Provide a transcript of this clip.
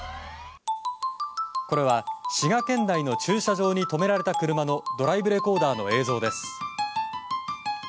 これは滋賀県内の駐車場に止められた車のドライブレコーダーの映像です。